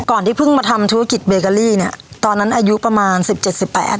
ที่เพิ่งมาทำธุรกิจเบเกอรี่เนี้ยตอนนั้นอายุประมาณสิบเจ็ดสิบแปด